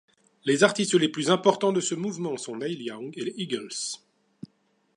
Les artistes les plus importants de ce mouvement sont Neil Young et les Eagles.